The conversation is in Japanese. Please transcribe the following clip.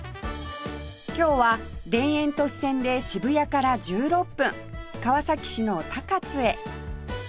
今日は田園都市線で渋谷から１６分川崎市の高津へ